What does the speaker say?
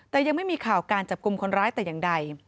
แต่ยังไม่มีข่าวการจับกลุ่มคนร้ายแต่อย่างใด